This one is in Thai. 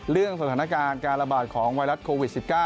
สถานการณ์การระบาดของไวรัสโควิด๑๙